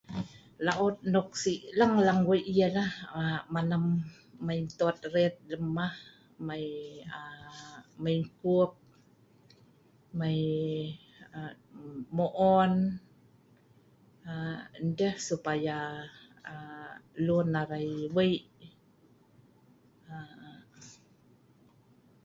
Laot nok si lang-lang wei' yah nah ialah manam, mai ntoet ret lem mah' aa mai aa mai engkup, mai aa mo on aa deh supaya lun arai wei' aaa